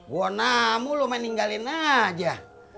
buonamu lo meninggalin aja